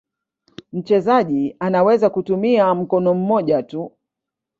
Mchezaji anaweza kutumia mkono mmoja tu.